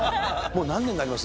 何年になります？